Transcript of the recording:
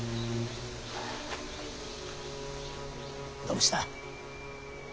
どうした。